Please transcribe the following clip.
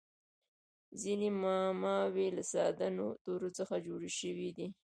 ځیني معماوي له ساده تورو څخه جوړي سوي يي.